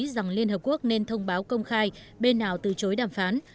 rằng liên hợp quốc nên thông báo công khai bên nào từ chối đàm phán